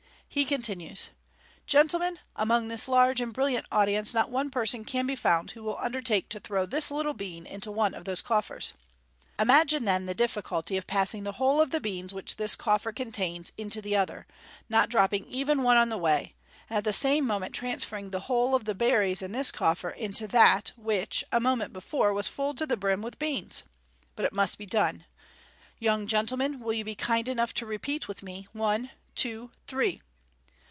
He continues, n Gentlemen, among this large and brilliant audience not one person can be found who will undertake to throw this little bean into one of those coffers. Imagine, then, the difficulty of passing the whole of the beans which this coffer contains into the other, not dropping even one on the way, and at the same moment transferring the whole of the berries in this coffer into that which, a moment before, was full to the brim with the beans. But it must be done. Young gentlemen, will you be kind enough to repeat with me, One, two, three